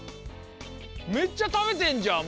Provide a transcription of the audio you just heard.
めっちゃ食べてんじゃん！